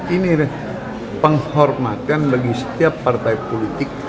ini penghormatan bagi setiap partai politik